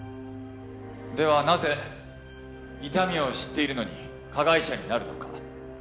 ではなぜ痛みを知っているのに加害者になるのか。